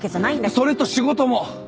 それと仕事も。